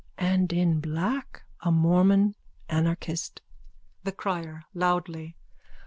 _ And in black. A mormon. Anarchist. THE CRIER: _(Loudly.)